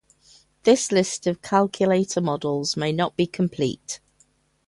This list of calculator models may not be complete.